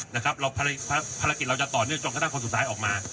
เราภารกิจเราจะต่อเนื่องจนกระทั่งคนสุดท้ายออกมา